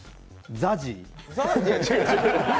ＺＡＺＹ？